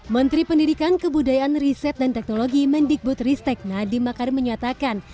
menteri pendidikan kebudayaan riset dan teknologi mendikbud ristek nadiem makarim menyatakan